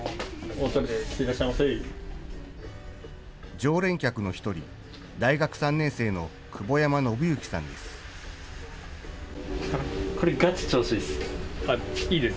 常連客の一人、大学３年生の久保山暢之さんです。